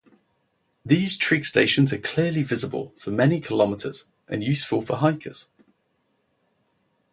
These trig stations are clearly visible for many kilometres and useful for hikers.